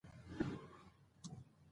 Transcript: د سبا کار نن ترسره کړئ.